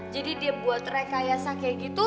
jadi dia buat rekayasa kayak gitu